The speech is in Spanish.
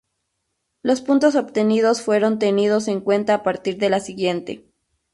Los puntos obtenidos fueron tenidos en cuenta a partir de la siguiente.